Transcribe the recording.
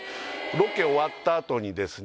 ロケ終わったあとにですね